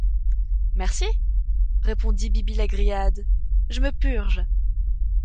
Merci, répondit Bibi-la-Grillade, je me purge.